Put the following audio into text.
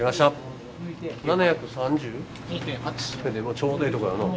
ちょうどええとこやの。